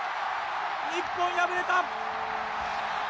日本、敗れた。